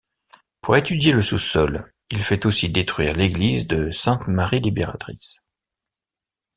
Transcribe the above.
Pour étudier le sous-sol, il fait aussi détruire l'église de Sainte-Marie Libératrice.